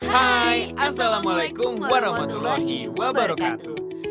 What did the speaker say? hai assalamualaikum warahmatullahi wabarakatuh